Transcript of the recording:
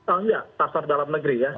oh enggak pasar dalam negeri ya